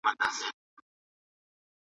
تاسو باید د مقالي لپاره یو منظم ترتیب ولرئ.